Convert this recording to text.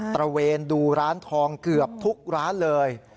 ระเวนดูร้านทองเกือบทุกร้านเลย